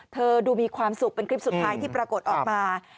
ดูมีความสุขเป็นคลิปสุดท้ายที่ปรากฏออกมา